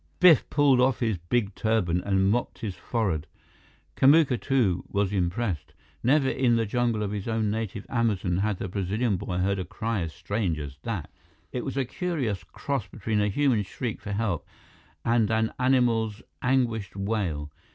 Biff pulled off his big turban and mopped his forehead. Kamuka, too, was impressed. Never in the jungle of his own native Amazon had the Brazilian boy heard a cry as strange as that. It was a curious cross between a human shriek for help and an animal's anguished wail.